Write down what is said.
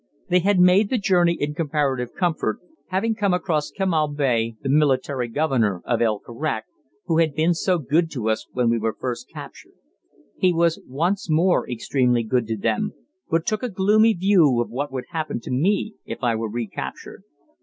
They had made the journey in comparative comfort, having come across Kemal Bey, the military governor of El Karak, who had been so good to us when we were first captured. He was once more extremely good to them, but took a gloomy view of what would happen to me if I were recaptured.